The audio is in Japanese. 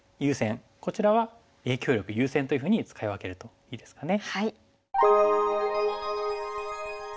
こちらは影響力優先というふうに使い分けるといいですかね。